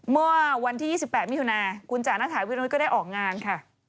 เมื่อวันที่๒๘มิถุนาคุณจาณฐาวิรวิทย์ก็ได้ออกงานค่ะ